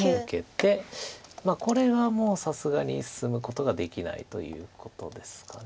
これはもうさすがに進むことができないということですか。